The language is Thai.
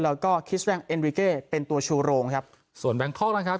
แล้วก็เป็นตัวชูโรงครับส่วนแบงคอร์กนะครับ